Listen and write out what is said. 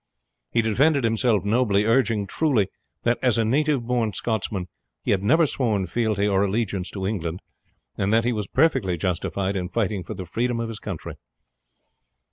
He defended himself nobly, urging truly that, as a native born Scotsman, he had never sworn fealty or allegiance to England, and that he was perfectly justified in fighting for the freedom of his country.